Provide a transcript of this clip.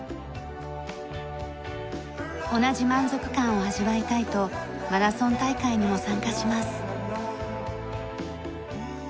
同じ満足感を味わいたいとマラソン大会にも参加します。